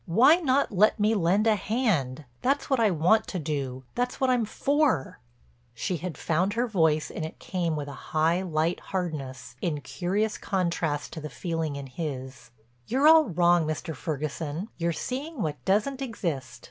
Why not let me lend a hand? That's what I want to do—that's what I'm for." She had found her voice and it came with a high, light hardness, in curious contrast to the feeling in his: "You're all wrong, Mr. Ferguson. You're seeing what doesn't exist."